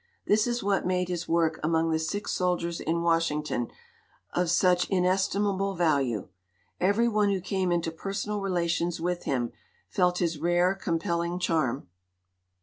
This is what made his work among the sick soldiers in Washington of such inestimable value. Every one who came into personal relations with him felt his rare, com pelling charm.